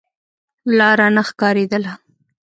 لاره نه ښکارېدله.